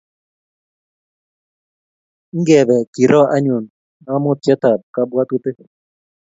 Ngebe kero anyun ngamotiotab kabwatutik